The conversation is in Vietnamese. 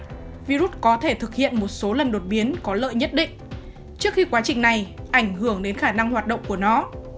tuy nhiên virus có thể thực hiện một số lần đột biến có lợi nhất định trước khi quá trình này ảnh hưởng đến khả năng hoạt động của nó